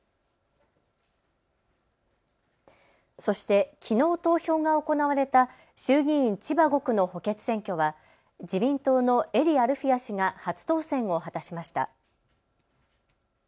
そして、きのう投票が行われた衆議院千葉５区の補欠選挙は自民党の英利アルフィヤ氏が初当選を果たしました。